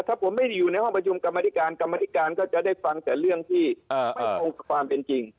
ถ้าผมไม่ได้อยู่ในห้องประชุมกรรมธิการกรรมธิการก็จะได้ฟังแต่เรื่องที่ไม่ตรงกับความเป็นจริง